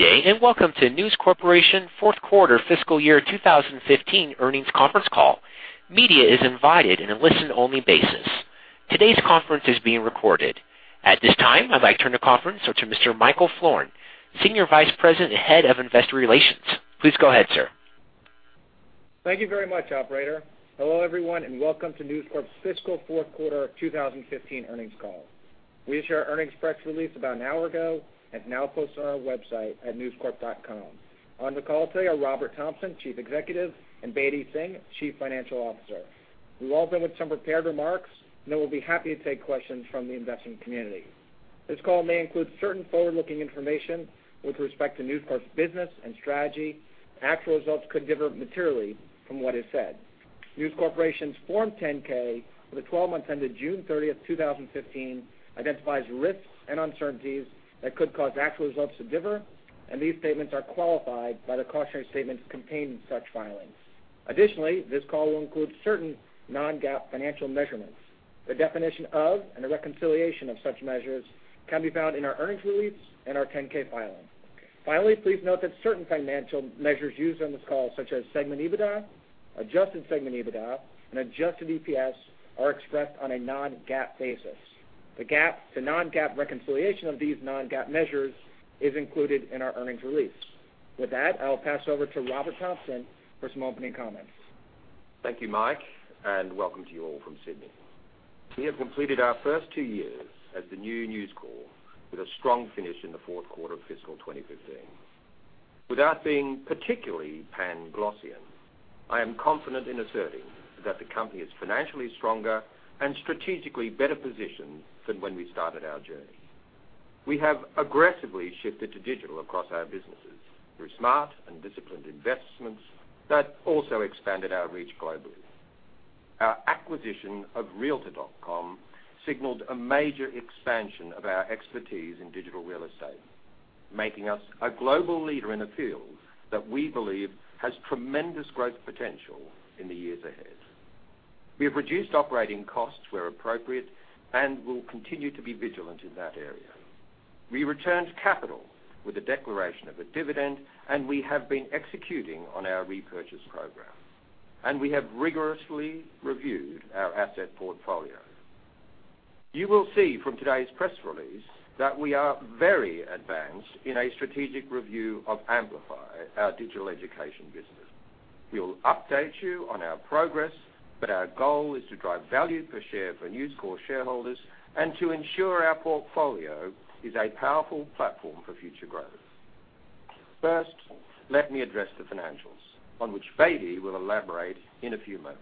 Good day, and welcome to News Corporation fourth quarter fiscal year 2015 earnings conference call. Media is invited in a listen-only basis. Today's conference is being recorded. At this time, I'd like to turn the conference over to Mr. Michael Florin, Senior Vice President, Head of Investor Relations. Please go ahead, sir. Thank you very much, operator. Hello, everyone, and welcome to News Corp's fiscal fourth quarter 2015 earnings call. We issued our earnings press release about an hour ago and it's now posted on our website at newscorp.com. On the call today are Robert Thomson, Chief Executive, and Bedi Singh, Chief Financial Officer. We'll all go with some prepared remarks. We'll be happy to take questions from the investment community. This call may include certain forward-looking information with respect to News Corp's business and strategy. Actual results could differ materially from what is said. News Corporation's Form 10-K for the 12 months ended June 30, 2015, identifies risks and uncertainties that could cause actual results to differ, and these statements are qualified by the cautionary statements contained in such filings. Additionally, this call will include certain non-GAAP financial measurements. The definition of and the reconciliation of such measures can be found in our earnings release and our 10-K filing. Please note that certain financial measures used on this call, such as segment EBITDA, adjusted segment EBITDA, and adjusted EPS, are expressed on a non-GAAP basis. The non-GAAP reconciliation of these non-GAAP measures is included in our earnings release. With that, I'll pass over to Robert Thomson for some opening comments. Thank you, Mike, and welcome to you all from Sydney. We have completed our first two years at the new News Corp with a strong finish in the fourth quarter of fiscal 2015. Without being particularly Panglossian, I am confident in asserting that the company is financially stronger and strategically better positioned than when we started our journey. We have aggressively shifted to digital across our businesses through smart and disciplined investments that also expanded our reach globally. Our acquisition of realtor.com signaled a major expansion of our expertise in digital real estate, making us a global leader in a field that we believe has tremendous growth potential in the years ahead. We have reduced operating costs where appropriate and will continue to be vigilant in that area. We returned capital with the declaration of a dividend. We have been executing on our repurchase program. We have rigorously reviewed our asset portfolio. You will see from today's press release that we are very advanced in a strategic review of Amplify, our Digital Education business. We'll update you on our progress. Our goal is to drive value per share for News Corp shareholders and to ensure our portfolio is a powerful platform for future growth. First, let me address the financials, on which Bedi will elaborate in a few moments.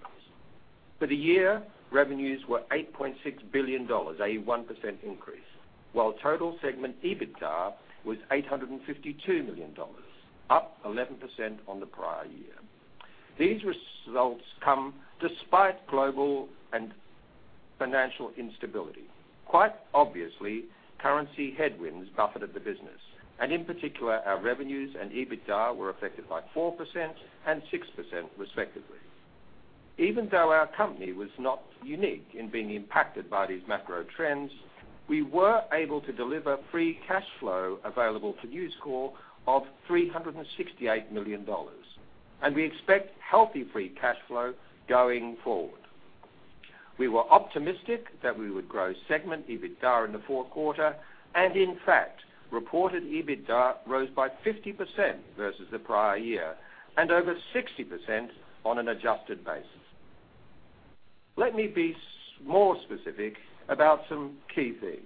For the year, revenues were $8.6 billion, a 1% increase, while total segment EBITDA was $852 million, up 11% on the prior year. These results come despite global and financial instability. Quite obviously, currency headwinds buffeted the business, and in particular, our revenues and EBITDA were affected by 4% and 6% respectively. Even though our company was not unique in being impacted by these macro trends, we were able to deliver free cash flow available to News Corp of $368 million. We expect healthy free cash flow going forward. We were optimistic that we would grow segment EBITDA in the fourth quarter. In fact, reported EBITDA rose by 50% versus the prior year, and over 60% on an adjusted basis. Let me be more specific about some key things.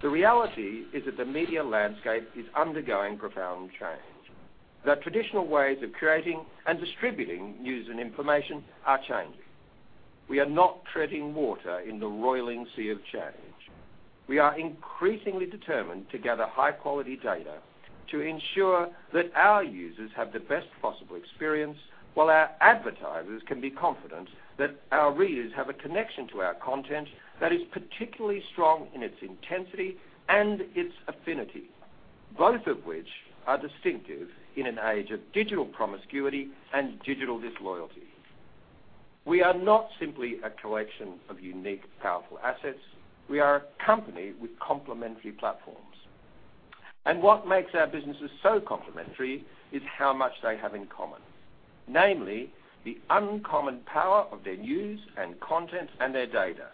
The reality is that the media landscape is undergoing profound change. The traditional ways of creating and distributing news and information are changing. We are not treading water in the roiling sea of change. We are increasingly determined to gather high-quality data to ensure that our users have the best possible experience while our advertisers can be confident that our readers have a connection to our content that is particularly strong in its intensity and its affinity, both of which are distinctive in an age of digital promiscuity and digital disloyalty. We are not simply a collection of unique, powerful assets. We are a company with complementary platforms. What makes our businesses so complementary is how much they have in common. Namely, the uncommon power of their news and content and their data.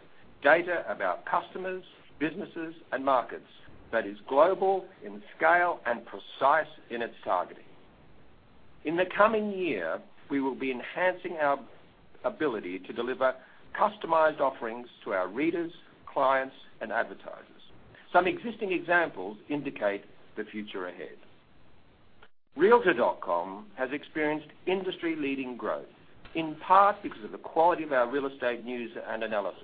Data about customers, businesses, and markets that is global in scale and precise in its targeting. In the coming year, we will be enhancing our ability to deliver customized offerings to our readers, clients, and advertisers. Some existing examples indicate the future ahead. realtor.com has experienced industry-leading growth, in part because of the quality of our real estate news and analysis,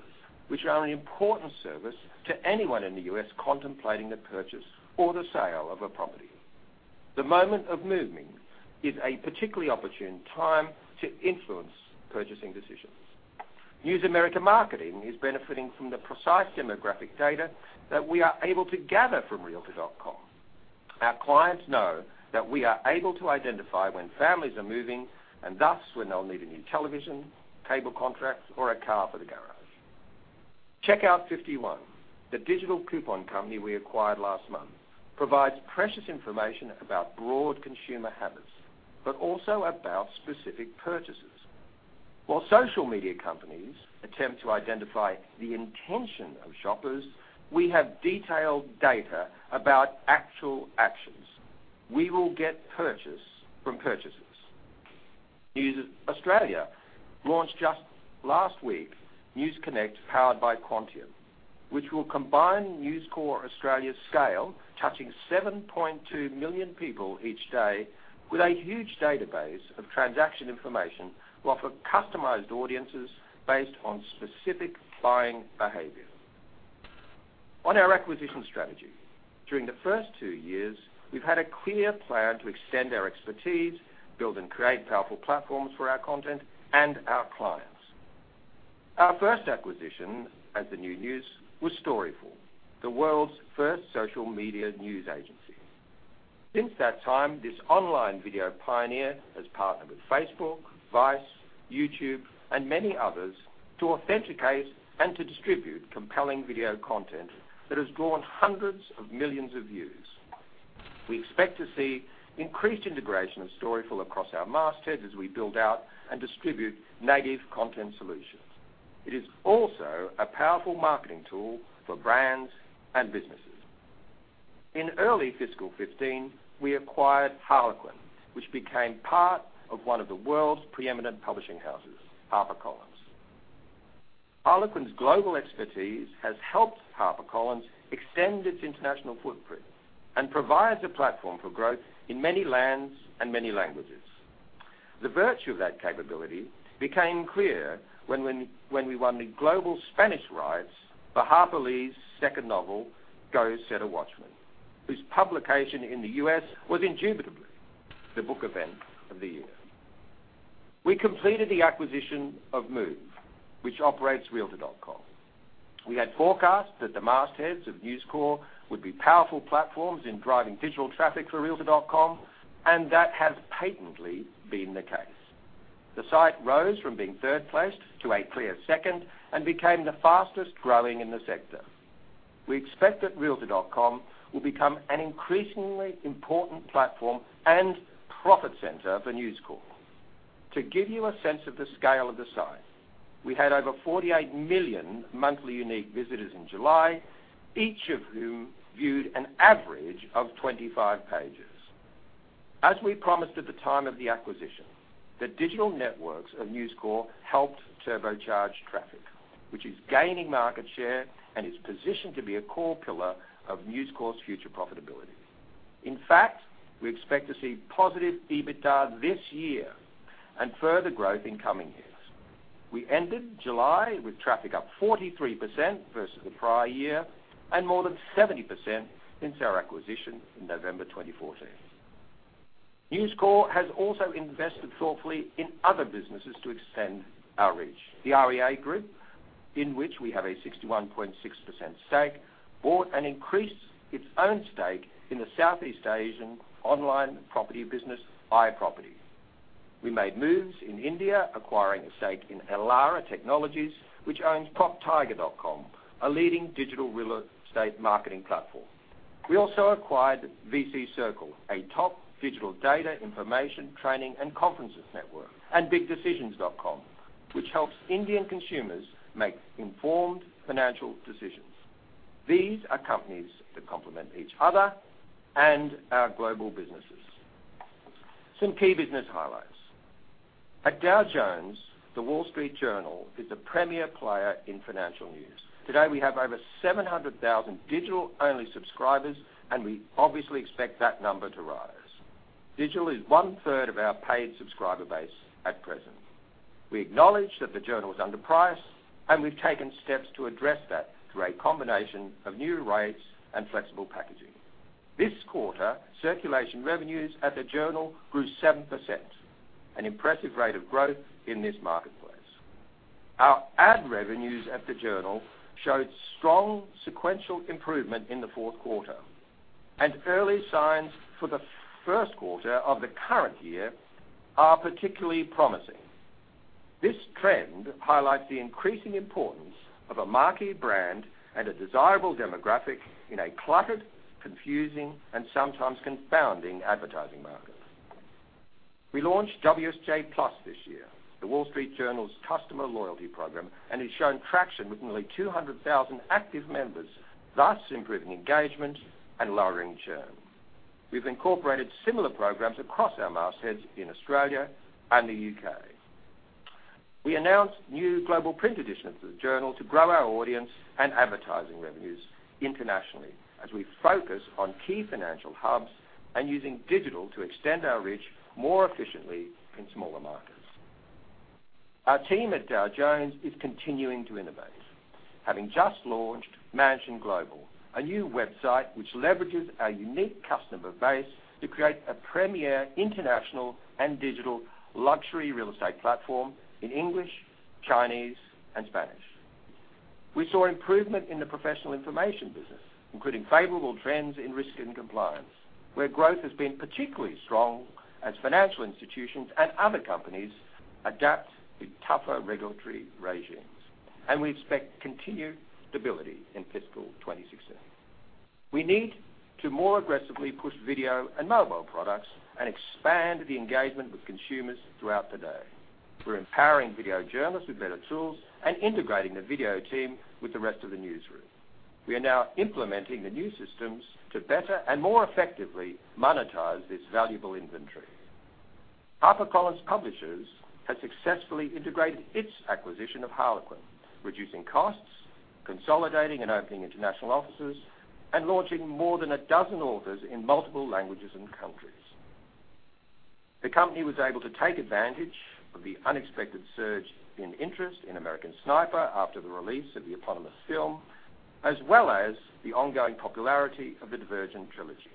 which are an important service to anyone in the U.S. contemplating the purchase or the sale of a property. The moment of movement is a particularly opportune time to influence purchasing decisions. News America Marketing is benefiting from the precise demographic data that we are able to gather from realtor.com. Our clients know that we are able to identify when families are moving and thus when they'll need a new television, cable contract or a car for the garage. Checkout 51, the digital coupon company we acquired last month, provides precious information about broad consumer habits, but also about specific purchases. While social media companies attempt to identify the intention of shoppers, we have detailed data about actual actions. We will get purchase from purchases. News Corp Australia launched just last week, News Connect, powered by Quantium, which will combine News Corp Australia's scale, touching 7.2 million people each day, with a huge database of transaction information to offer customized audiences based on specific buying behavior. On our acquisition strategy, during the first two years, we've had a clear plan to extend our expertise, build and create powerful platforms for our content and our clients. Our first acquisition as the new News was Storyful, the world's first social media news agency. Since that time, this online video pioneer has partnered with Facebook, Vice, YouTube, and many others to authenticate and to distribute compelling video content that has drawn hundreds of millions of views. We expect to see increased integration of Storyful across our mastheads as we build out and distribute native content solutions. It is also a powerful marketing tool for brands and businesses. In early fiscal 2015, we acquired Harlequin, which became part of one of the world's preeminent publishing houses, HarperCollins. Harlequin's global expertise has helped HarperCollins extend its international footprint and provides a platform for growth in many lands and many languages. The virtue of that capability became clear when we won the global Spanish rights for Harper Lee's second novel, "Go Set a Watchman," whose publication in the U.S. was indubitably the book event of the year. We completed the acquisition of Move, which operates realtor.com. We had forecast that the mastheads of News Corp would be powerful platforms in driving digital traffic for realtor.com, and that has patently been the case. The site rose from being third place to a clear second and became the fastest-growing in the sector. We expect that realtor.com will become an increasingly important platform and profit center for News Corp. To give you a sense of the scale of the site, we had over 48 million monthly unique visitors in July, each of whom viewed an average of 25 pages. As we promised at the time of the acquisition, the digital networks of News Corp helped turbocharge traffic, which is gaining market share and is positioned to be a core pillar of News Corp's future profitability. In fact, we expect to see positive EBITDA this year and further growth in coming years. We ended July with traffic up 43% versus the prior year and more than 70% since our acquisition in November 2014. News Corp has also invested thoughtfully in other businesses to extend our reach. The REA Group, in which we have a 61.6% stake, bought and increased its own stake in the Southeast Asian online property business, iProperty. We made moves in India, acquiring a stake in Elara Technologies, which owns PropTiger.com, a leading digital real estate marketing platform. We also acquired VCCircle, a top digital data information training and conferences network, and BigDecisions.com, which helps Indian consumers make informed financial decisions. These are companies that complement each other and our global businesses. Some key business highlights. At Dow Jones, The Wall Street Journal is a premier player in financial news. Today, we have over 700,000 digital-only subscribers, and we obviously expect that number to rise. Digital is one-third of our paid subscriber base at present. We acknowledge that the Journal is underpriced, and we've taken steps to address that through a combination of new rates and flexible packaging. This quarter, circulation revenues at the Journal grew 7%, an impressive rate of growth in this marketplace. Our ad revenues at the Journal showed strong sequential improvement in the fourth quarter, and early signs for the first quarter of the current year are particularly promising. This trend highlights the increasing importance of a marquee brand and a desirable demographic in a cluttered, confusing, and sometimes confounding advertising market. We launched WSJ+ this year, The Wall Street Journal's customer loyalty program, and it's shown traction with nearly 200,000 active members, thus improving engagement and lowering churn. We've incorporated similar programs across our mastheads in Australia and the U.K. We announced new global print editions of the Journal to grow our audience and advertising revenues internationally as we focus on key financial hubs and using digital to extend our reach more efficiently in smaller markets. Our team at Dow Jones is continuing to innovate. Having just launched Mansion Global, a new website which leverages our unique customer base to create a premier international and digital luxury real estate platform in English, Chinese, and Spanish. We saw improvement in the professional information business, including favorable trends in risk and compliance, where growth has been particularly strong as financial institutions and other companies adapt to tougher regulatory regimes. We expect continued stability in fiscal 2016. We need to more aggressively push video and mobile products and expand the engagement with consumers throughout the day. We're empowering video journalists with better tools and integrating the video team with the rest of the newsroom. We are now implementing the new systems to better and more effectively monetize this valuable inventory. HarperCollins Publishers has successfully integrated its acquisition of Harlequin, reducing costs, consolidating and opening international offices, and launching more than a dozen authors in multiple languages and countries. The company was able to take advantage of the unexpected surge in interest in "American Sniper" after the release of the eponymous film, as well as the ongoing popularity of the Divergent trilogy.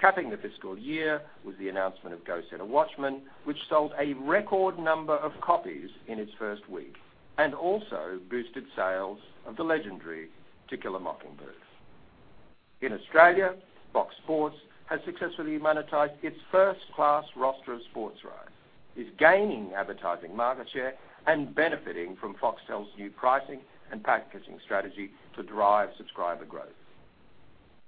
Capping the fiscal year was the announcement of "Go Set a Watchman," which sold a record number of copies in its first week, and also boosted sales of the legendary "To Kill a Mockingbird." In Australia, Fox Sports has successfully monetized its first-class roster of sports rights. It's gaining advertising market share and benefiting from Foxtel's new pricing and packaging strategy to drive subscriber growth.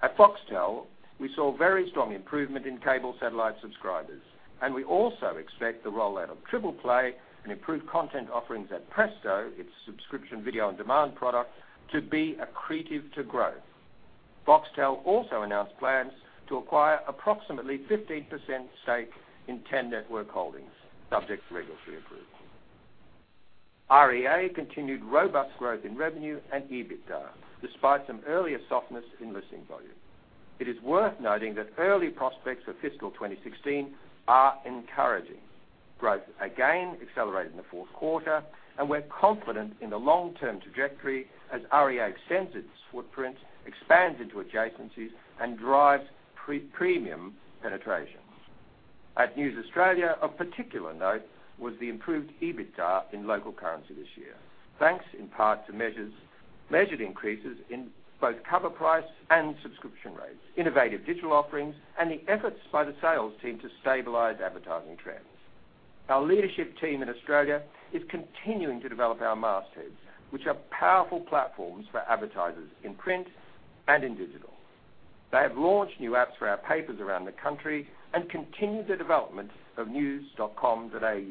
At Foxtel, we saw very strong improvement in cable satellite subscribers, and we also expect the rollout of Triple Play and improved content offerings at Presto, its subscription video on-demand product, to be accretive to growth. Foxtel also announced plans to acquire approximately 15% stake in Ten Network Holdings, subject to regulatory approval. REA continued robust growth in revenue and EBITDA, despite some earlier softness in listing volume. It is worth noting that early prospects for fiscal 2016 are encouraging. Growth again accelerated in the fourth quarter, and we're confident in the long-term trajectory as REA extends its footprint, expands into adjacencies, and drives premium penetration. At News Corp Australia, of particular note was the improved EBITDA in local currency this year, thanks in part to measured increases in both cover price and subscription rates, innovative digital offerings, and the efforts by the sales team to stabilize advertising trends. Our leadership team in Australia is continuing to develop our mastheads, which are powerful platforms for advertisers in print and in digital. They have launched new apps for our papers around the country and continue the development of news.com.au,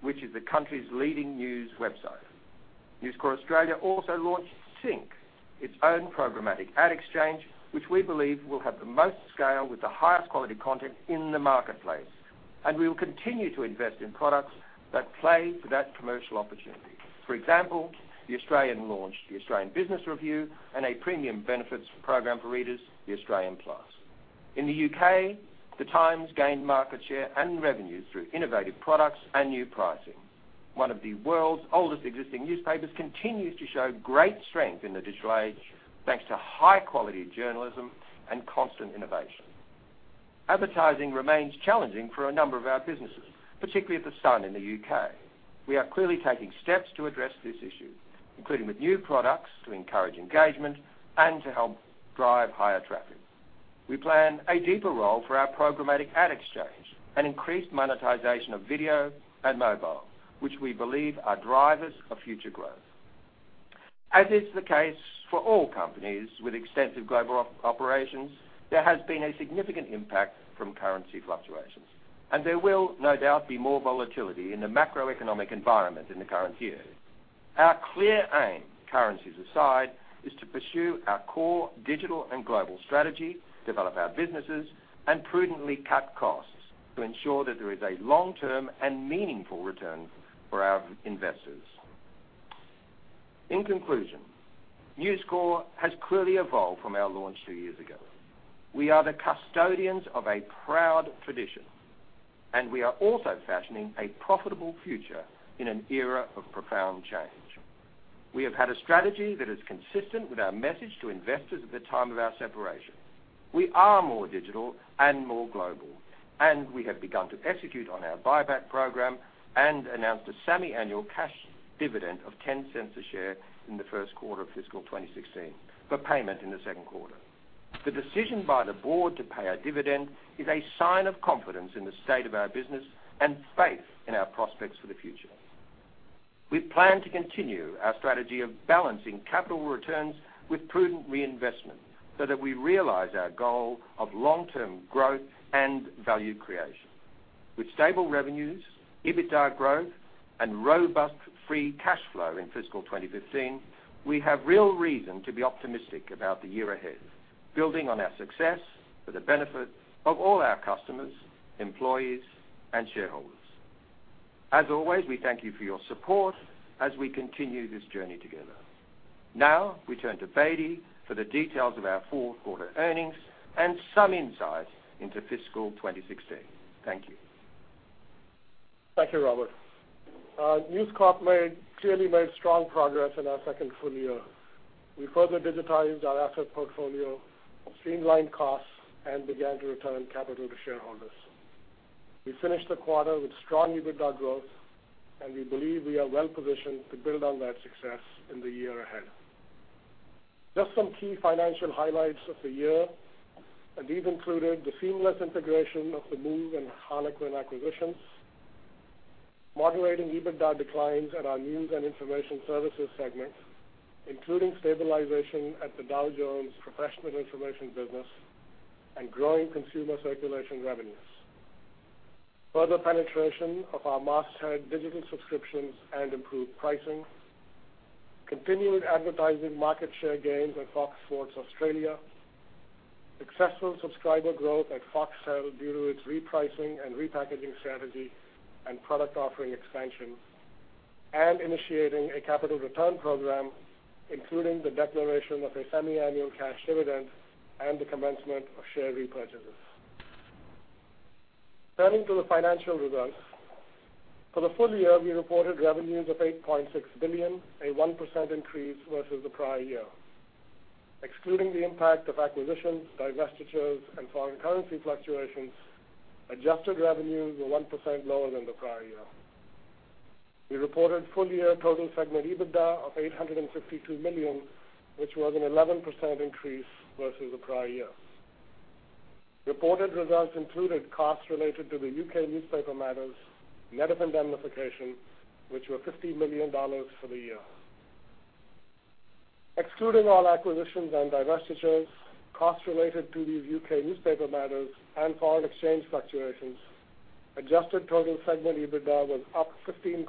which is the country's leading news website. News Corp Australia also launched SYNC, its own programmatic ad exchange, which we believe will have the most scale with the highest quality content in the marketplace. For example, The Australian launched The Australian Business Review and a premium benefits program for readers, The Australian Plus. In the U.K., The Times gained market share and revenues through innovative products and new pricing. One of the world's oldest existing newspapers continues to show great strength in the digital age, thanks to high-quality journalism and constant innovation. Advertising remains challenging for a number of our businesses, particularly at The Sun in the U.K. We are clearly taking steps to address this issue, including with new products to encourage engagement and to help drive higher traffic. We plan a deeper role for our programmatic ad exchange and increased monetization of video and mobile, which we believe are drivers of future growth. As is the case for all companies with extensive global operations, there has been a significant impact from currency fluctuations, and there will no doubt be more volatility in the macroeconomic environment in the current year. Our clear aim, currencies aside, is to pursue our core digital and global strategy, develop our businesses, and prudently cut costs to ensure that there is a long-term and meaningful return for our investors. In conclusion, News Corp has clearly evolved from our launch two years ago. We are the custodians of a proud tradition. We are also fashioning a profitable future in an era of profound change. We have had a strategy that is consistent with our message to investors at the time of our separation. We are more digital and more global. We have begun to execute on our buyback program and announced a semiannual cash dividend of $0.10 a share in the first quarter of fiscal 2016, for payment in the second quarter. The decision by the board to pay a dividend is a sign of confidence in the state of our business and faith in our prospects for the future. We plan to continue our strategy of balancing capital returns with prudent reinvestment so that we realize our goal of long-term growth and value creation. With stable revenues, EBITDA growth, and robust free cash flow in fiscal 2015, we have real reason to be optimistic about the year ahead, building on our success for the benefit of all our customers, employees, and shareholders. As always, we thank you for your support as we continue this journey together. We turn to Bedi for the details of our fourth quarter earnings and some insight into fiscal 2016. Thank you. Thank you, Robert. News Corp clearly made strong progress in our second full year. We further digitized our asset portfolio, streamlined costs, and began to return capital to shareholders. We finished the quarter with strong EBITDA growth, and we believe we are well positioned to build on that success in the year ahead. Just some key financial highlights of the year. These included the seamless integration of the Move and Harlequin acquisitions. Modulating EBITDA declines at our News and Information Services segments, including stabilization at the Dow Jones professional information business and growing consumer circulation revenues. Further penetration of our masthead digital subscriptions and improved pricing. Continued advertising market share gains at Fox Sports Australia. Successful subscriber growth at Foxtel due to its repricing and repackaging strategy and product offering expansion. Initiating a capital return program, including the declaration of a semiannual cash dividend and the commencement of share repurchases. Turning to the financial results. For the full year, we reported revenues of $8.6 billion, a 1% increase versus the prior year. Excluding the impact of acquisitions, divestitures, and foreign currency fluctuations, adjusted revenues were 1% lower than the prior year. We reported full-year total segment EBITDA of $852 million, which was an 11% increase versus the prior year. Reported results included costs related to the U.K. newspaper matters net of indemnification, which were $50 million for the year. Excluding all acquisitions and divestitures, costs related to these U.K. newspaper matters and foreign exchange fluctuations, adjusted total segment EBITDA was up 15%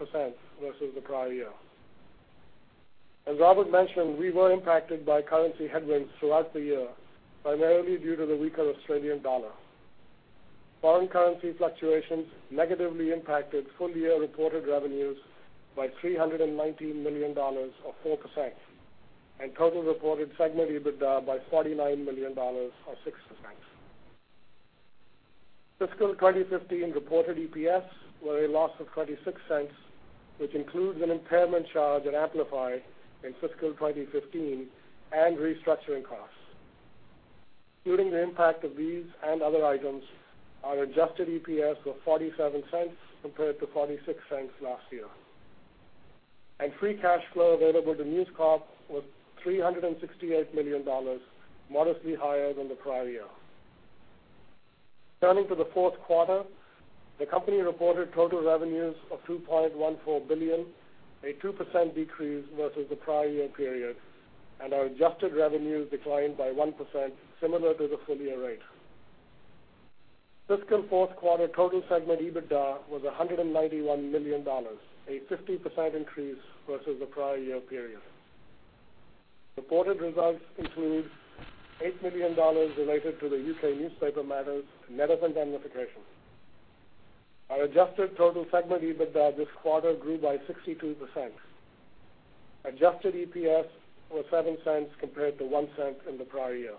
versus the prior year. As Robert mentioned, we were impacted by currency headwinds throughout the year, primarily due to the weaker Australian dollar. Foreign currency fluctuations negatively impacted full-year reported revenues by $319 million, or 4%, and total reported segment EBITDA by $49 million or 6%. Fiscal 2015 reported EPS were a loss of $0.26, which includes an impairment charge at Amplify in fiscal 2015 and restructuring costs. Including the impact of these and other items, our adjusted EPS was $0.47 compared to $0.46 last year. Free cash flow available to News Corp was $368 million, modestly higher than the prior year. Turning to the fourth quarter, the company reported total revenues of $2.14 billion, a 2% decrease versus the prior year period, and our adjusted revenues declined by 1%, similar to the full-year rate. Fiscal fourth quarter total segment EBITDA was $191 million, a 50% increase versus the prior year period. Reported results include $8 million related to the U.K. newspaper matters net of indemnification. Our adjusted total segment EBITDA this quarter grew by 62%. Adjusted EPS was $0.07 compared to $0.01 in the prior year.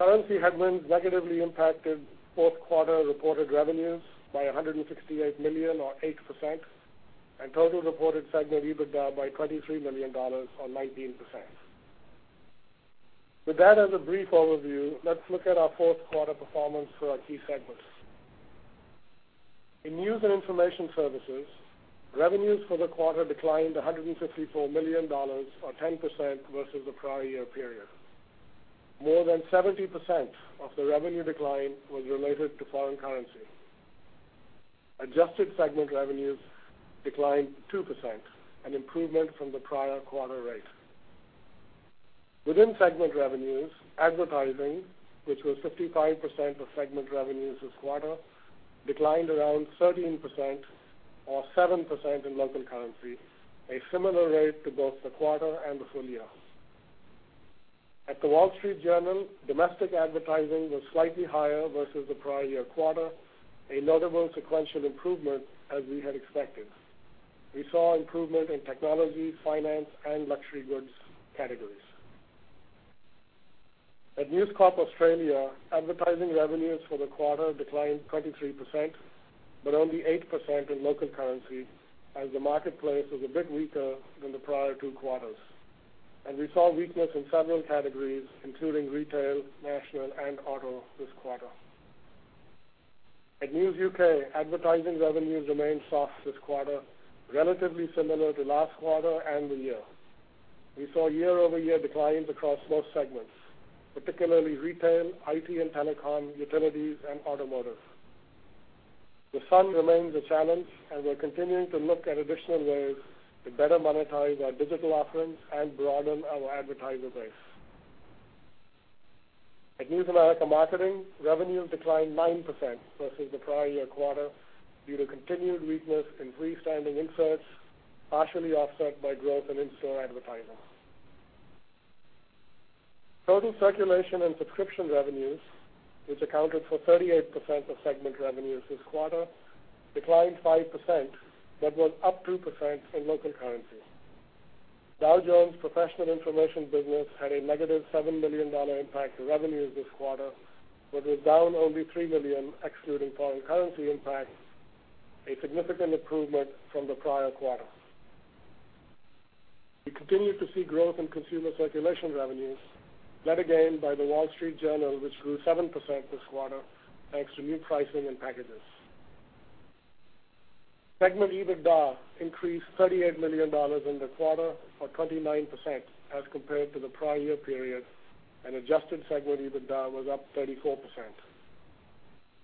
Currency headwinds negatively impacted fourth quarter reported revenues by $168 million or 8%, and total reported segment EBITDA by $23 million or 19%. With that as a brief overview, let's look at our fourth quarter performance for our key segments. In News and information Services, revenues for the quarter declined $154 million or 10% versus the prior year period. More than 70% of the revenue decline was related to foreign currency. Adjusted segment revenues declined 2%, an improvement from the prior quarter rate. Within segment revenues, advertising, which was 55% of segment revenues this quarter, declined around 13% or 7% in local currency, a similar rate to both the quarter and the full year. At The Wall Street Journal, domestic advertising was slightly higher versus the prior year quarter, a notable sequential improvement as we had expected. We saw improvement in technology, finance, and luxury goods categories. At News Corp Australia, advertising revenues for the quarter declined 23%, but only 8% in local currency as the marketplace was a bit weaker than the prior two quarters. We saw weakness in several categories, including retail, national, and auto this quarter. At News UK, advertising revenues remained soft this quarter, relatively similar to last quarter and the year. We saw year-over-year declines across most segments, particularly retail, IT and telecom, utilities, and automotive. The Sun remains a challenge. We're continuing to look at additional ways to better monetize our digital offerings and broaden our advertiser base. At News America Marketing, revenues declined 9% versus the prior year quarter due to continued weakness in freestanding inserts, partially offset by growth in in-store advertising. Total circulation and subscription revenues, which accounted for 38% of segment revenues this quarter, declined 5% but were up 2% in local currency. Dow Jones professional information business had a negative $7 million impact to revenues this quarter but was down only $3 million excluding foreign currency impacts, a significant improvement from the prior quarter. We continued to see growth in consumer circulation revenues, led again by The Wall Street Journal, which grew 7% this quarter, thanks to new pricing and packages. Segment EBITDA increased $38 million in the quarter or 29% as compared to the prior year period. Adjusted segment EBITDA was up 34%.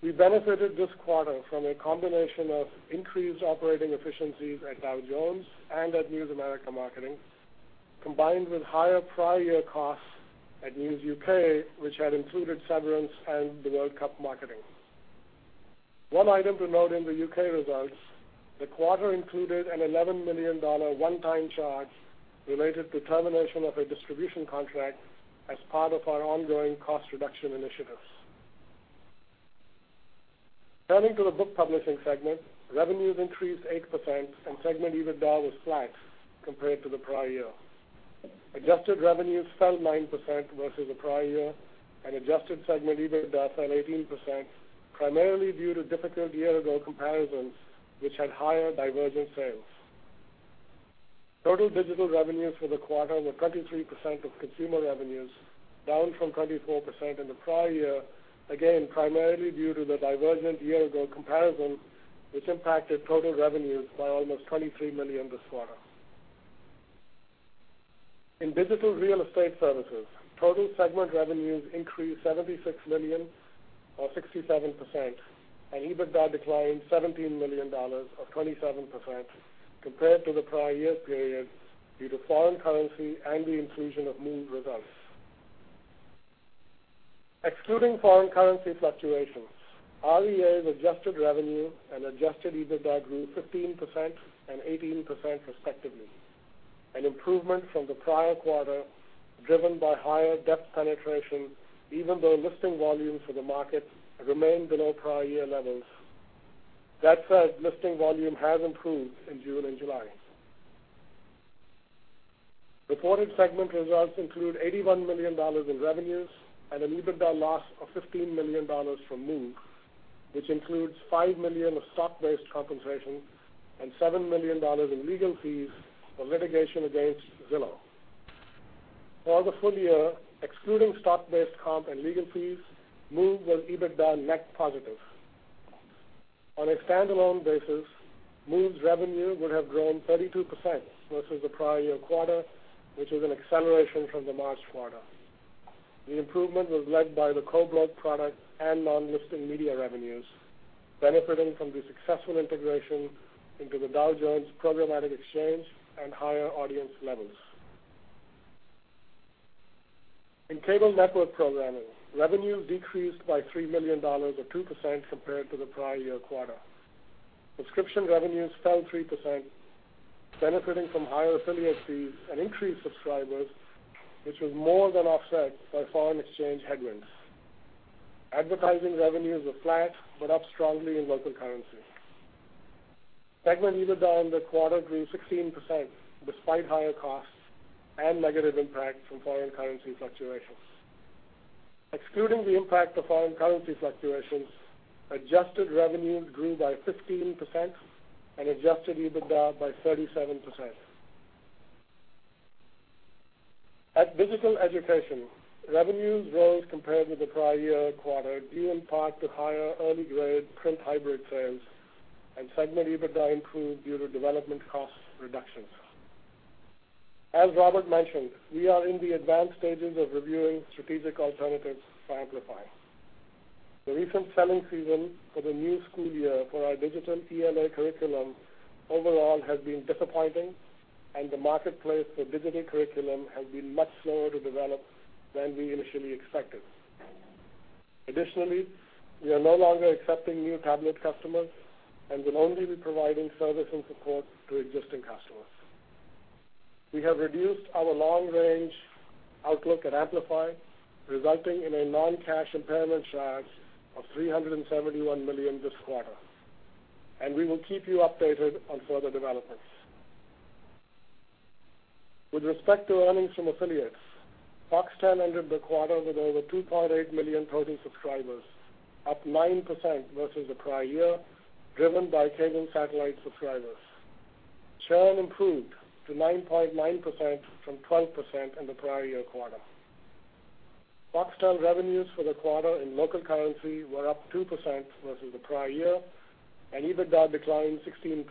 We benefited this quarter from a combination of increased operating efficiencies at Dow Jones and at News America Marketing, combined with higher prior year costs at News UK, which had included severance and the World Cup marketing. One item to note in the U.K. results, the quarter included an $11 million one-time charge related to termination of a distribution contract as part of our ongoing cost reduction initiatives. Turning to the Book Publishing segment, revenues increased 8%. Segment EBITDA was flat compared to the prior year. Adjusted revenues fell 9% versus the prior year. Adjusted segment EBITDA fell 18%, primarily due to difficult year-ago comparisons, which had higher Divergent sales. Total digital revenues for the quarter were 23% of consumer revenues, down from 24% in the prior year, again, primarily due to the Divergent year-ago comparison, which impacted total revenues by almost $23 million this quarter. In Digital Real Estate Services, total segment revenues increased $76 million or 67%. EBITDA declined $17 million or 27% compared to the prior year's period due to foreign currency and the inclusion of Move results. Excluding foreign currency fluctuations, REA's adjusted revenue and adjusted EBITDA grew 15% and 18% respectively, an improvement from the prior quarter, driven by higher depth penetration, even though listing volumes for the market remained below prior year levels. That said, listing volume has improved in June and July. Reported segment results include $81 million in revenues and an EBITDA loss of $15 million from Move, which includes $5 million of stock-based compensation and $7 million in legal fees for litigation against Zillow. For the full year, excluding stock-based comp and legal fees, Move was EBITDA net positive. On a standalone basis, Move's revenue would have grown 32% versus the prior year quarter, which is an acceleration from the March quarter. The improvement was led by the co-broke product and non-listing media revenues, benefiting from the successful integration into the Dow Jones Programmatic Exchange and higher audience levels. In Cable Network Programming, revenue decreased by $3 million or 2% compared to the prior year quarter. Subscription revenues fell 3%, benefiting from higher affiliate fees and increased subscribers, which was more than offset by foreign exchange headwinds. Advertising revenues were flat but up strongly in local currency. Segment EBITDA in the quarter grew 16%, despite higher costs and negative impact from foreign currency fluctuations. Excluding the impact of foreign currency fluctuations, adjusted revenues grew by 15% and adjusted EBITDA by 37%. At Digital Education, revenues rose compared with the prior year quarter, due in part to higher early grade print hybrid sales and segment EBITDA improved due to development cost reductions. As Robert mentioned, we are in the advanced stages of reviewing strategic alternatives for Amplify. The recent selling season for the new school year for our digital ELA curriculum overall has been disappointing and the marketplace for digital curriculum has been much slower to develop than we initially expected. Additionally, we are no longer accepting new tablet customers and will only be providing service and support to existing customers. We have reduced our long-range outlook at Amplify, resulting in a non-cash impairment charge of $371 million this quarter. We will keep you updated on further developments. With respect to earnings from affiliates, Foxtel ended the quarter with over 2.8 million total subscribers, up 9% versus the prior year, driven by cable satellite subscribers. Churn improved to 9.9% from 12% in the prior year quarter. Foxtel revenues for the quarter in local currency were up 2% versus the prior year, and EBITDA declined 16%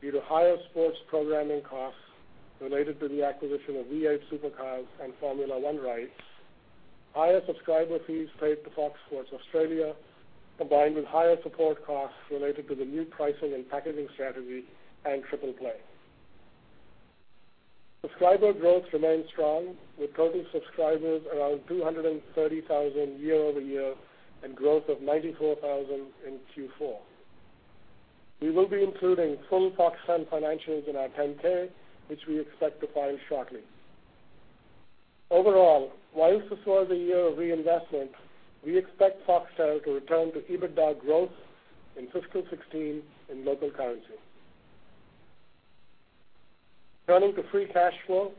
due to higher sports programming costs related to the acquisition of V8 Supercars and Formula One rights, higher subscriber fees paid to Fox Sports Australia, combined with higher support costs related to the new pricing and packaging strategy and Triple Play. Subscriber growth remains strong with total subscribers around 230,000 year-over-year and growth of 94,000 in Q4. We will be including full Foxtel financials in our 10-K, which we expect to file shortly. Overall, while this was a year of reinvestment, we expect Foxtel to return to EBITDA growth in fiscal 2016 in local currency. Turning to free cash flow.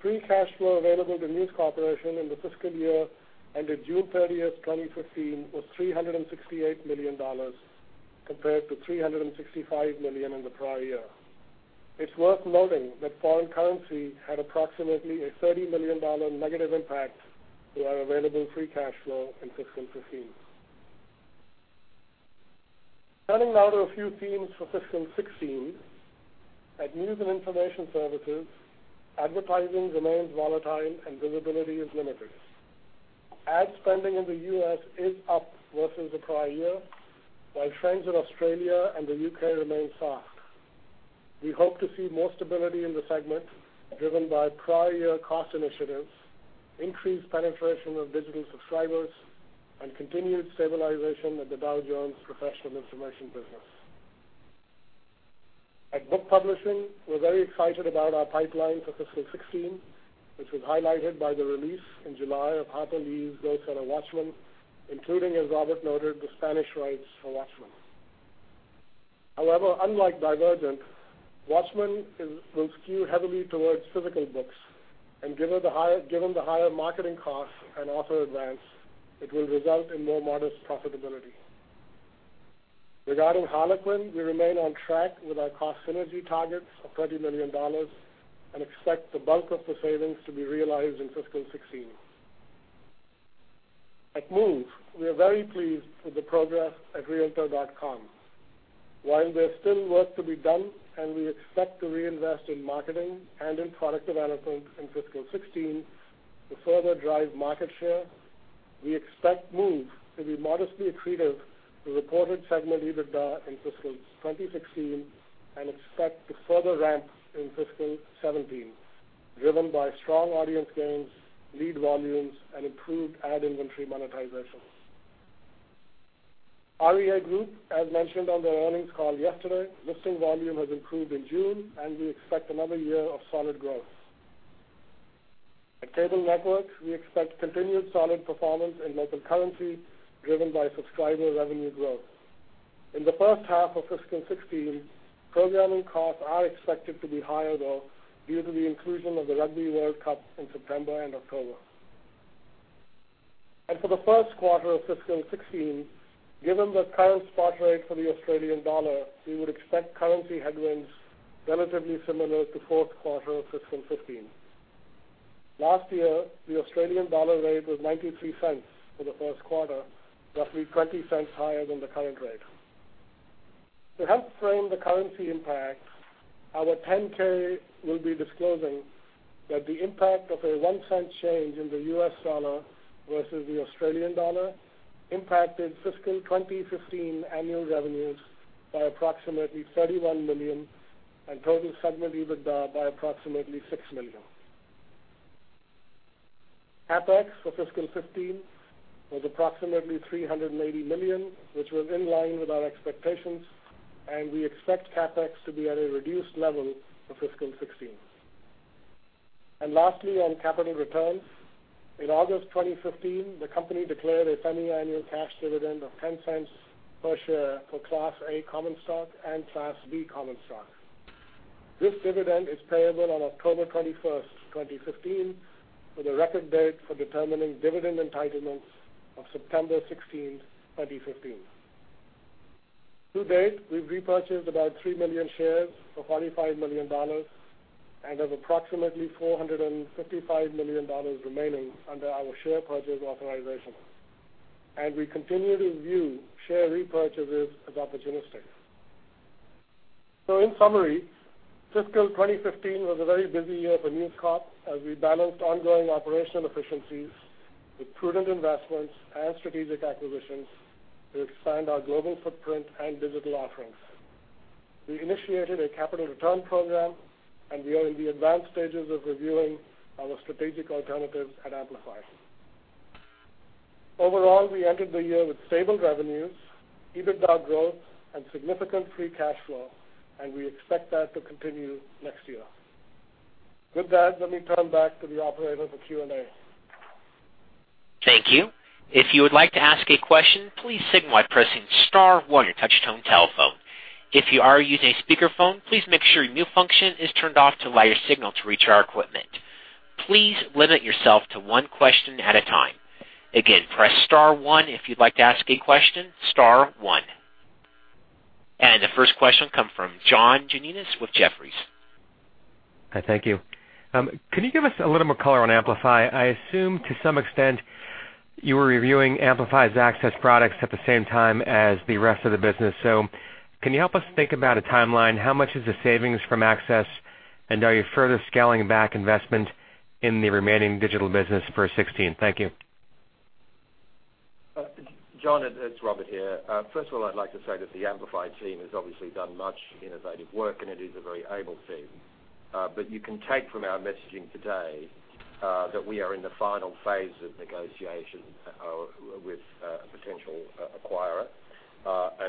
Free cash flow available to News Corporation in the fiscal year ended June 30th, 2015, was $368 million compared to $365 million in the prior year. It's worth noting that foreign currency had approximately a $30 million negative impact to our available free cash flow in fiscal 2015. Turning now to a few themes for fiscal 2016. At News and Information Services, advertising remains volatile and visibility is limited. Ad spending in the U.S. is up versus the prior year, while trends in Australia and the U.K. remain soft. We hope to see more stability in the segment driven by prior year cost initiatives, increased penetration of digital subscribers, and continued stabilization of the Dow Jones professional information business. At Book Publishing, we're very excited about our pipeline for fiscal 2016, which was highlighted by the release in July of Harper Lee's "Go Set a Watchman," including, as Robert noted, the Spanish rights for Watchman. However, unlike Divergent, Watchman will skew heavily towards physical books, and given the higher marketing costs and author advance, it will result in more modest profitability. Regarding Harlequin, we remain on track with our cost synergy targets of $30 million and expect the bulk of the savings to be realized in fiscal 2016. At Move, we are very pleased with the progress at realtor.com. While there's still work to be done, we expect to reinvest in marketing and in product development in fiscal 2016 to further drive market share. We expect Move to be modestly accretive to reported segment EBITDA in fiscal 2016. We expect to further ramp in fiscal 2017, driven by strong audience gains, lead volumes, and improved ad inventory monetizations. REA Group, as mentioned on their earnings call yesterday, listing volume has improved in June, and we expect another year of solid growth. At Cable Networks, we expect continued solid performance in local currency, driven by subscriber revenue growth. In the first half of fiscal 2016, programming costs are expected to be higher, though, due to the inclusion of the Rugby World Cup in September and October. For the first quarter of fiscal 2016, given the current spot rate for the Australian dollar, we would expect currency headwinds relatively similar to fourth quarter of fiscal 2015. Last year, the Australian dollar rate was 0.93 for the first quarter, roughly 0.20 higher than the current rate. To help frame the currency impact, our 10-K will be disclosing that the impact of a one-cent change in the U.S. dollar versus the Australian dollar impacted fiscal 2015 annual revenues by approximately $31 million and total segment EBITDA by approximately $6 million. CapEx for fiscal 2015 was approximately $380 million, which was in line with our expectations. We expect CapEx to be at a reduced level for fiscal 2016. Lastly, on capital returns. In August 2015, the company declared a semi-annual cash dividend of $0.10 per share for Class A common stock and Class B common stock. This dividend is payable on October 21st, 2015, with a record date for determining dividend entitlements of September 16th, 2015. To date, we've repurchased about 3 million shares for $45 million and have approximately $455 million remaining under our share purchase authorization. We continue to view share repurchases as opportunistic. In summary, fiscal 2015 was a very busy year for News Corp as we balanced ongoing operational efficiencies with prudent investments and strategic acquisitions to expand our global footprint and digital offerings. We initiated a capital return program, and we are in the advanced stages of reviewing our strategic alternatives at Amplify. Overall, we ended the year with stable revenues, EBITDA growth, and significant free cash flow, and we expect that to continue next year. With that, let me turn back to the operator for Q&A. Thank you. If you would like to ask a question, please signal by pressing star one on your touchtone telephone. If you are using a speakerphone, please make sure your mute function is turned off to allow your signal to reach our equipment. Please limit yourself to one question at a time. Again, press star one if you'd like to ask a question, star one. The first question comes from John Janedis with Jefferies. Hi, thank you. Can you give us a little more color on Amplify? I assume to some extent you were reviewing Amplify's Access products at the same time as the rest of the business. Can you help us think about a timeline? How much is the savings from Access? Are you further scaling back investment in the remaining digital business for 2016? Thank you. John, it's Robert here. First of all, I'd like to say that the Amplify team has obviously done much innovative work, it is a very able team. You can take from our messaging today that we are in the final phase of negotiation with a potential acquirer,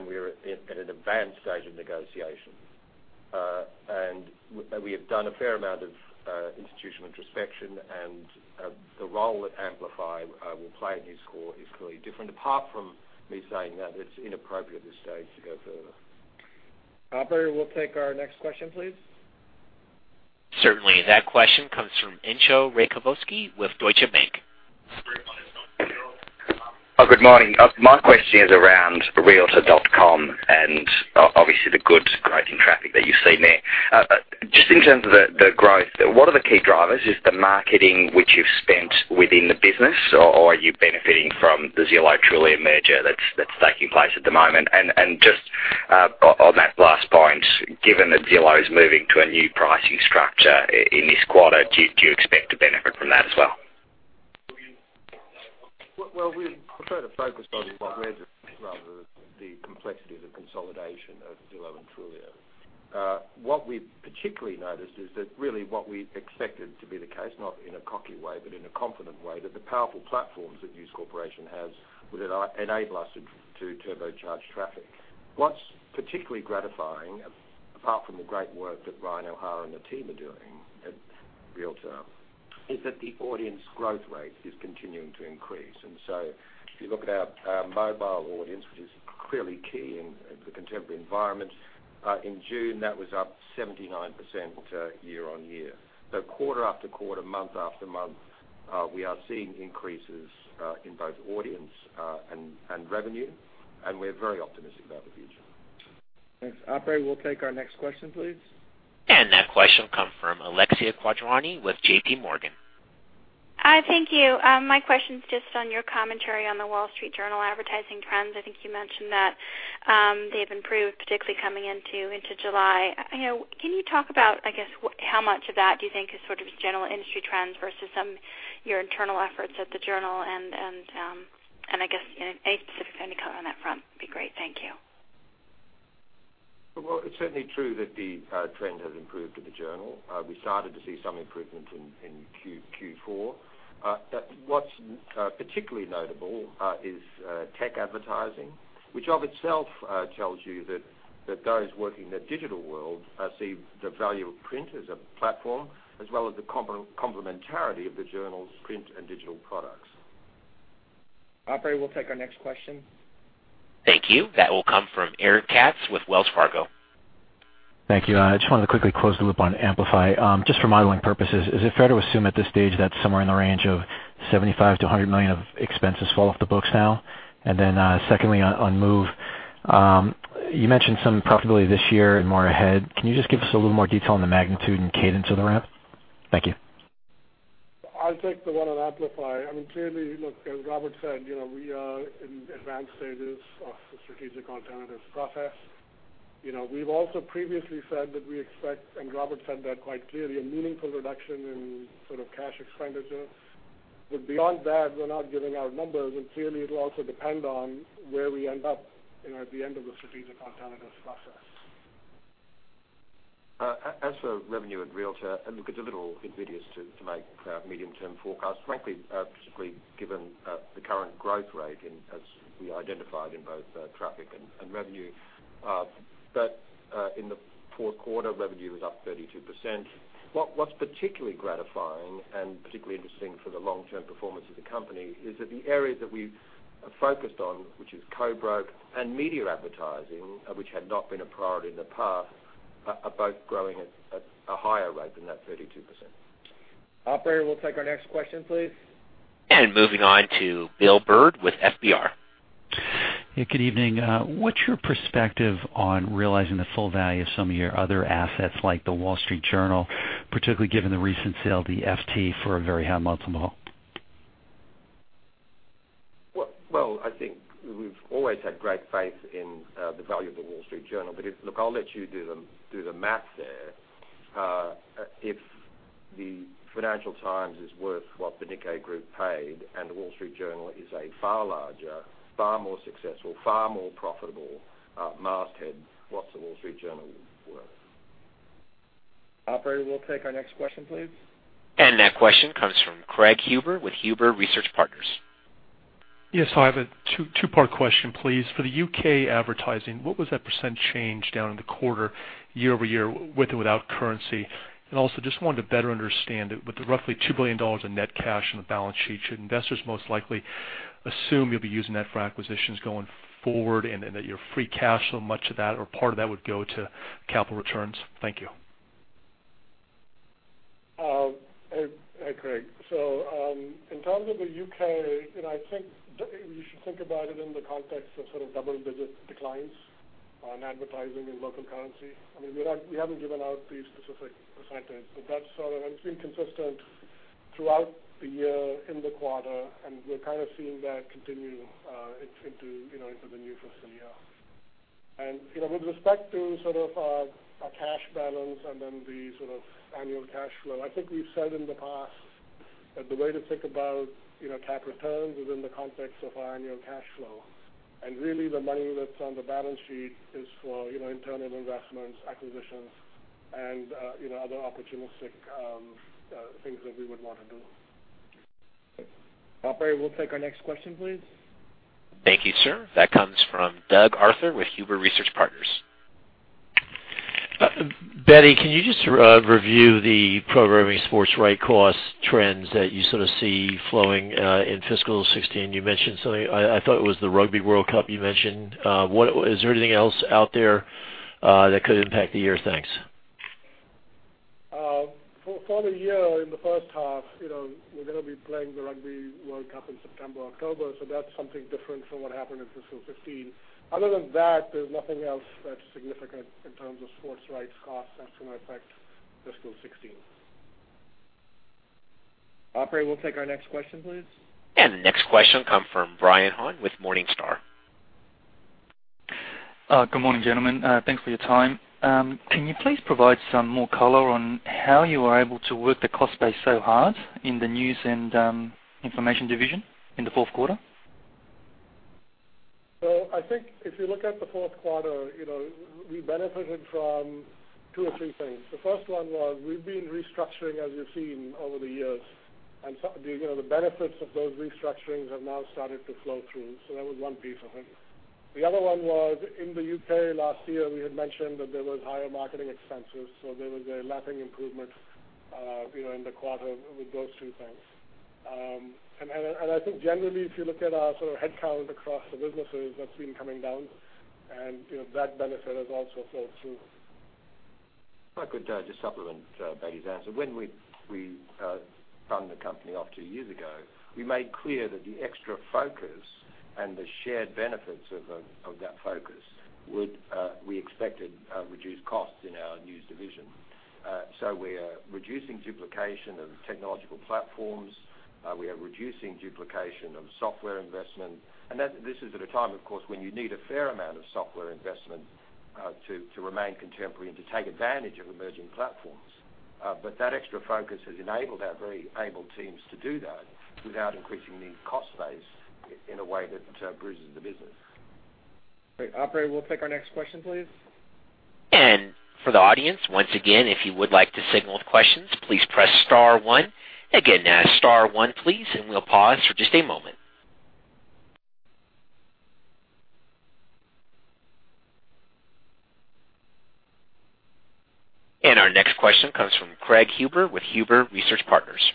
we're at an advanced stage of negotiation. We have done a fair amount of institutional introspection, the role that Amplify will play at News Corp is clearly different. Apart from me saying that, it's inappropriate at this stage to go further. Operator, we'll take our next question, please. Certainly. That question comes from Entcho Raykovski with Deutsche Bank. Good morning. My question is around realtor.com and obviously the good growth in traffic that you've seen there. Just in terms of the growth, what are the key drivers? Is it the marketing which you've spent within the business, or are you benefiting from the Zillow-Trulia merger that's taking place at the moment? Just on that last point, given that Zillow is moving to a new pricing structure in this quarter, do you expect to benefit from that as well? Well, we prefer to focus on what we're doing rather than the complexities of consolidation of Zillow and Trulia. What we've particularly noticed is that really what we expected to be the case, not in a cocky way, but in a confident way, that the powerful platforms that News Corporation has would enable us to turbocharge traffic. What's particularly gratifying, apart from the great work that Ryan O'Hara and the team are doing at Realtor, is that the audience growth rate is continuing to increase. If you look at our mobile audience, which is clearly key in the contemporary environment, in June, that was up 79% year-on-year. Quarter after quarter, month after month, we are seeing increases in both audience and revenue, and we're very optimistic about the future. Thanks. Operator, we'll take our next question, please. That question will come from Alexia Quadrani with J.P. Morgan. Hi, thank you. My question's just on your commentary on the Wall Street Journal advertising trends. I think you mentioned that they've improved, particularly coming into July. Can you talk about, I guess, how much of that do you think is sort of just general industry trends versus your internal efforts at the Journal, and I guess any specific further color on that front would be great. Thank you. Well, it's certainly true that the trend has improved at the Journal. We started to see some improvement in Q4. What's particularly notable is tech advertising, which of itself tells you that those working in the digital world see the value of print as a platform, as well as the complementarity of the Journal's print and digital products. Operator, we'll take our next question. Thank you. That will come from Eric Katz with Wells Fargo. Thank you. I just wanted to quickly close the loop on Amplify. Just for modeling purposes, is it fair to assume at this stage that somewhere in the range of $75 million-$100 million of expenses fall off the books now? Secondly, on Move, you mentioned some profitability this year and more ahead. Can you just give us a little more detail on the magnitude and cadence of the ramp? Thank you. I'll take the one on Amplify. Clearly, look, as Robert said, we are in advanced stages of the strategic alternatives process. We've also previously said that we expect, Robert said that quite clearly, a meaningful reduction in sort of cash expenditures. Beyond that, we're not giving out numbers, clearly, it'll also depend on where we end up at the end of the strategic alternatives process. As for revenue at Realtor, look, it's a little invidious to make medium-term forecasts, frankly, particularly given the current growth rate as we identified in both traffic and revenue. In the fourth quarter, revenue was up 32%. What's particularly gratifying and particularly interesting for the long-term performance of the company is that the areas that we've focused on, which is co-broke and media advertising, which had not been a priority in the past, are both growing at a higher rate than that 32%. Operator, we'll take our next question, please. Moving on to William Bird with FBR. Good evening. What's your perspective on realizing the full value of some of your other assets, like The Wall Street Journal, particularly given the recent sale of the FT for a very high multiple? Well, I think we've always had great faith in the value of The Wall Street Journal. Look, I'll let you do the math there. If the Financial Times is worth what the Nikkei group paid, and The Wall Street Journal is a far larger, far more successful, far more profitable masthead, what's The Wall Street Journal worth? Operator, we'll take our next question, please. That question comes from Craig Huber with Huber Research Partners. Yes, I have a two-part question, please. For the U.K. advertising, what was that % change down in the quarter, year-over-year, with or without currency? Also, just wanted to better understand it, with the roughly $2 billion in net cash on the balance sheet, should investors most likely assume you'll be using that for acquisitions going forward, and that your free cash flow, much of that or part of that would go to capital returns? Thank you. Hey, Craig. In terms of the U.K., I think you should think about it in the context of sort of double-digit declines on advertising in local currency. We haven't given out the specific %. It's been consistent throughout the year in the quarter, and we're kind of seeing that continue into the new fiscal year. With respect to sort of our cash balance and then the sort of annual cash flow, I think we've said in the past that the way to think about cap returns is in the context of our annual cash flow. Really, the money that's on the balance sheet is for internal investments, acquisitions, and other opportunistic things that we would want to do. Operator, we'll take our next question, please. Thank you, sir. That comes from Doug Arthur with Huber Research Partners. Bedi, can you just review the programming sports right cost trends that you sort of see flowing in fiscal 2016? You mentioned something, I thought it was the Rugby World Cup you mentioned. Is there anything else out there that could impact the year? Thanks. For the year in the first half, we're going to be playing the Rugby World Cup in September, October, that's something different from what happened in fiscal 2015. Other than that, there's nothing else that's significant in terms of sports rights costs that's going to affect fiscal 2016. Operator, we'll take our next question, please. The next question comes from Brian Han with Morningstar. Good morning, gentlemen. Thanks for your time. Can you please provide some more color on how you are able to work the cost base so hard in the news and information division in the fourth quarter? I think if you look at the fourth quarter, we benefited from two or three things. The first one was we've been restructuring, as you've seen over the years, and the benefits of those restructurings have now started to flow through. That was one piece of it. The other one was in the U.K. last year, we had mentioned that there was higher marketing expenses, there was a lapping improvement in the quarter with those two things. I think generally, if you look at our sort of headcount across the businesses, that's been coming down and that benefit has also flowed through. If I could just supplement Bedi's answer. When we spun the company off two years ago, we made clear that the extra focus and the shared benefits of that focus would, we expected, reduce costs in our news division. We are reducing duplication of technological platforms. We are reducing duplication of software investment. This is at a time, of course, when you need a fair amount of software investment, to remain contemporary and to take advantage of emerging platforms. That extra focus has enabled our very able teams to do that without increasing the cost base in a way that bruises the business. Great. Operator, we'll take our next question, please. For the audience, once again, if you would like to signal questions, please press star one. Again, star one, please, and we'll pause for just a moment. Our next question comes from Craig Huber with Huber Research Partners.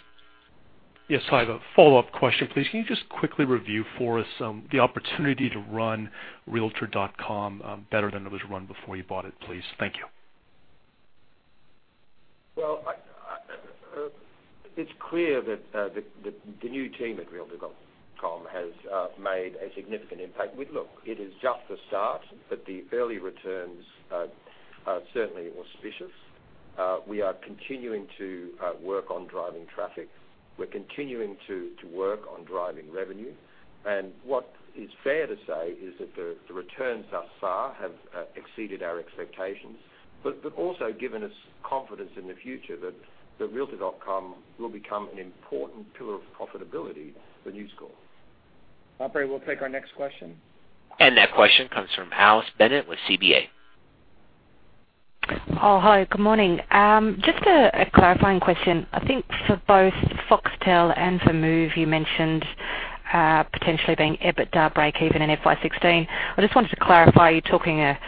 Yes, I have a follow-up question, please. Can you just quickly review for us the opportunity to run realtor.com better than it was run before you bought it, please? Thank you. Well, it's clear that the new team at realtor.com has made a significant impact. Look, it is just the start, but the early returns are certainly auspicious. We are continuing to work on driving traffic. We're continuing to work on driving revenue. What is fair to say is that the returns thus far have exceeded our expectations. Also given us confidence in the future that realtor.com will become an important pillar of profitability for News Corp. Operator, we'll take our next question. That question comes from Alice Bennett with CBA. Oh, hi. Good morning. Just a clarifying question. I think for both Foxtel and for Move, you mentioned potentially being EBITDA breakeven in FY 2016. I just wanted to clarify, are you talking a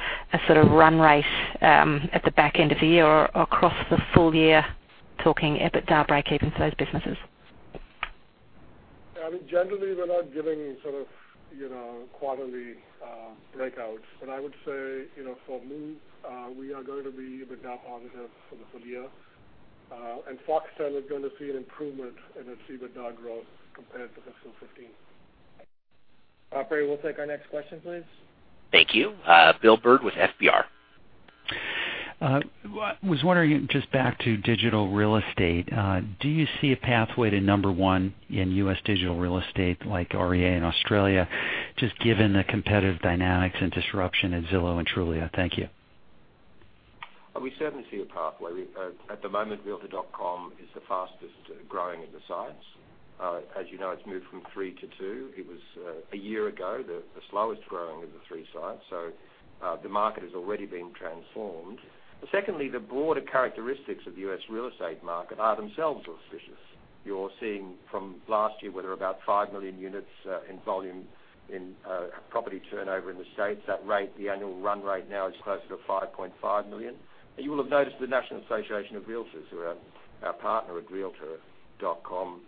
sort of run rate at the back end of the year or across the full year, talking EBITDA breakeven for those businesses? I mean, generally, we're not giving sort of quarterly breakouts. I would say for Move, we are going to be EBITDA positive for the full year. Foxtel is going to see an improvement in its EBITDA growth compared to fiscal 2015. Operator, we'll take our next question, please. Thank you. Will Bird with FBR. I was wondering, just back to digital real estate, do you see a pathway to number one in U.S. digital real estate like REA in Australia, just given the competitive dynamics and disruption at Zillow and Trulia? Thank you. We certainly see a pathway. At the moment, realtor.com is the fastest-growing of the sites. As you know, it's moved from three to two. It was, a year ago, the slowest-growing of the three sites. The market has already been transformed. Secondly, the broader characteristics of the U.S. real estate market are themselves auspicious. You're seeing from last year where there were about 5 million units in volume in property turnover in the States. That rate, the annual run rate now is closer to 5.5 million. You will have noticed the National Association of Realtors who are our partner at realtor.com,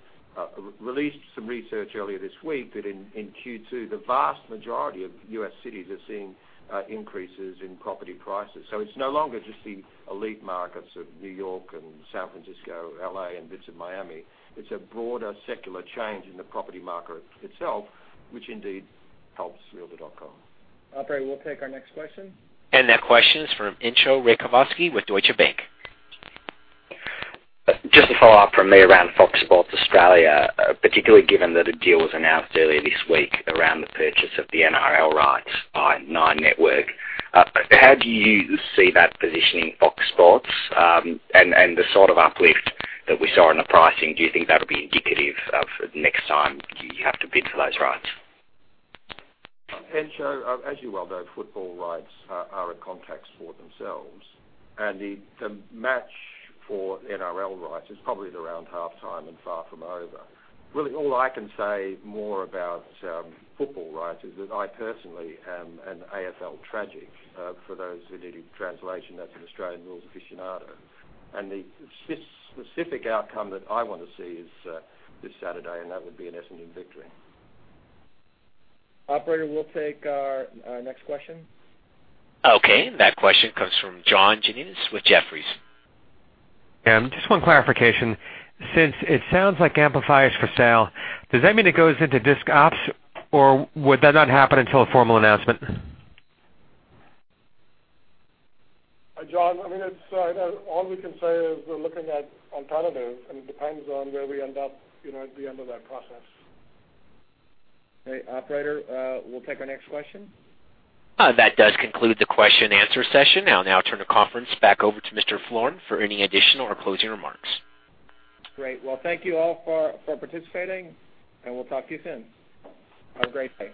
released some research earlier this week that in Q2, the vast majority of U.S. cities are seeing increases in property prices. It's no longer just the elite markets of New York and San Francisco, L.A., and bits of Miami. It's a broader secular change in the property market itself, which indeed helps realtor.com. Operator, we'll take our next question. That question is from Entcho Raykovski with Deutsche Bank. Just a follow-up from me around Fox Sports Australia, particularly given that a deal was announced earlier this week around the purchase of the NRL rights by Nine Network. How do you see that positioning Fox Sports, and the sort of uplift that we saw in the pricing, do you think that'll be indicative of next time you have to bid for those rights? Entcho, as you well know, football rights are a contact sport themselves, the match for NRL rights is probably around halftime and far from over. Really, all I can say more about football rights is that I personally am an AFL tragic. For those who need a translation, that's an Australian rules aficionado. The specific outcome that I want to see is this Saturday, and that would be an Essendon victory. Operator, we'll take our next question. Okay. That question comes from John Janedis with Jefferies. Just one clarification. Since it sounds like Amplify is for sale, does that mean it goes into discontinued operations, or would that not happen until a formal announcement? John, all we can say is we're looking at alternatives, and it depends on where we end up at the end of that process. Okay, operator, we'll take our next question. That does conclude the question and answer session. I'll now turn the conference back over to Mr. Florin for any additional or closing remarks. Great. Well, thank you all for participating, and we'll talk to you soon. Have a great day.